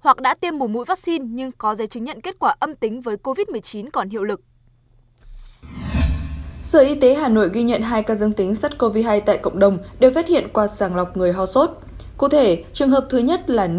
hãy đăng ký kênh để nhận thông tin nhất